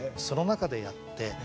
その中でやって。